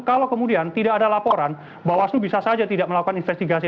kalau kemudian tidak ada laporan bawaslu bisa saja tidak melakukan investigasi